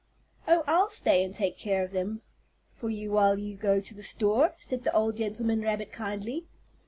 "Oh, I'll stay and take care of them for you while you go to the store," said the old gentleman rabbit, kindly.